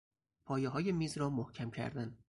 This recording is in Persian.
پایههای میز را محکم کردن